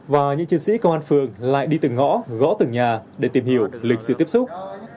và những chiến sĩ công an phường lại đi từng ngõ gõ từng nhà để tìm hiểu lịch sử tiếp xúc